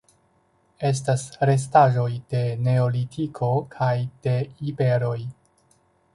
Estas restaĵoj de Neolitiko kaj de iberoj.